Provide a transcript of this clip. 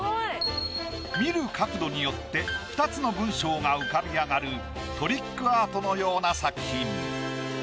見る角度によって２つの文章が浮かび上がるトリックアートのような作品。